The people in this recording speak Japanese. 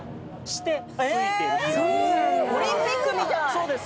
え⁉そうです